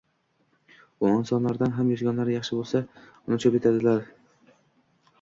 U insonlarning ham yozganlari yaxshi bo‘lsa, uni chop ettirardilar.